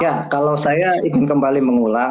ya kalau saya ingin kembali mengulang